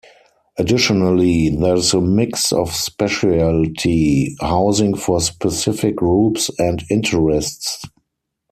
Additionally, there is a mix of specialty housing for specific groups and interests.